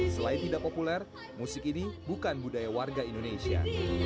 selain tidak populer musik ini bukan budaya warga indonesia